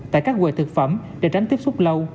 tại các quầy thực phẩm để tránh tiếp xúc lâu